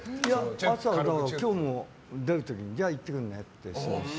朝、今日も出る時に行ってくるねって。